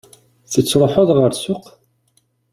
Tettruḥuḍ ɣer ssuq?